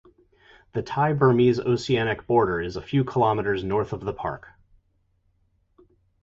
The Thai-Burmese oceanic border is a few kilometers north of the park.